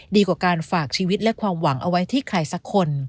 ดีกว่าการฝากชีวิตและความหวังเอาไว้ที่ใครสักคน